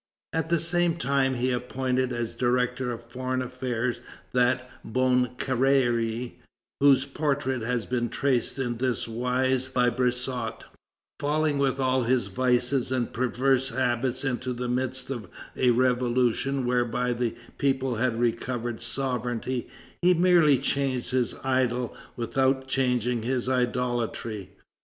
At the same time he appointed as director of foreign affairs that Bonne Carrère whose portrait has been traced in this wise by Brissot: "Falling with all his vices and perverse habits into the midst of a revolution whereby the people had recovered sovereignty, he merely changed his idol without changing his idolatry.